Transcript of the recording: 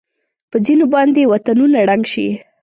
په ځېنو باندې وطنونه ړنګ شي.